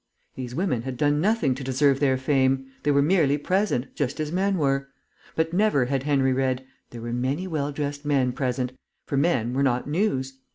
These women had done nothing to deserve their fame; they were merely present, just as men were. But never had Henry read, "There were many well dressed men present," for men were not News.